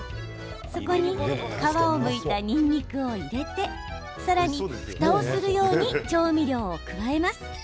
そこに皮をむいたにんにくを入れてさらに、ふたをするように調味料を加えます。